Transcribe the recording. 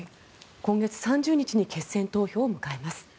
今月３０日に決選投票を迎えます。